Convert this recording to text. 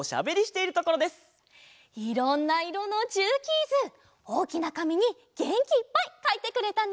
いろんないろのジューキーズおおきなかみにげんきいっぱいかいてくれたね。